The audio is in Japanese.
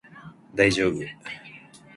大丈夫